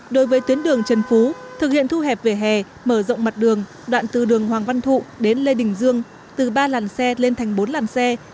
đối với tuyến đường trần phú thực hiện thu hẹp về hè mở rộng mặt đường đoạn từ đường hoàng văn thụ đến lê đình dương từ ba làn xe lên thành bốn làn xe